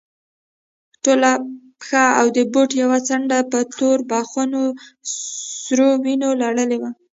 ټوله پښه او د بوټ يوه څنډه په توربخونو سرو وينو لړلې وه.